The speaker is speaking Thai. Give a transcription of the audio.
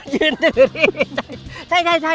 ยืนถือใจ